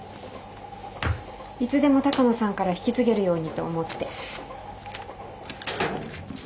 いつでも鷹野さんから引き継げるようにと思って。